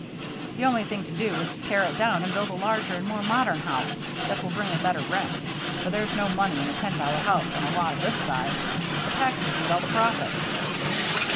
The only thing to do is to tear it down and build a larger and more modern house that will bring a better rent, for there's no money in a ten dollar house on a lot of this size the taxes eat all the profits."